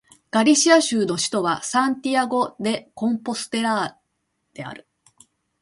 ガリシア州の州都はサンティアゴ・デ・コンポステーラである